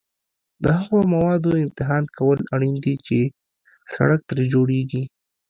د هغو موادو امتحان کول اړین دي چې سړک ترې جوړیږي